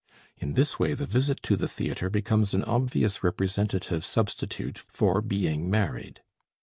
In this way the visit to the theatre becomes an obvious representative substitute for being married.